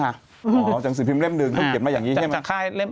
หนังสือพิมพ์เล่มหนึ่งเขาเก็บมาอย่างนี้ใช่ไหม